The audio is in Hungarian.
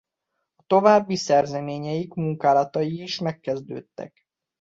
A további szerzeményeik munkálatai is megkezdődtek.